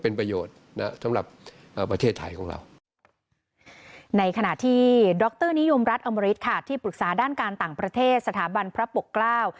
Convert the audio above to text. ในขณะที่ดรนิยมรัฐอมริษฐ์ที่ปรึกษาด้านการต่างประเทศสถาบันพระปกเกล้า